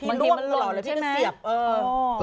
มันเห็นมันล้นใช่ไหม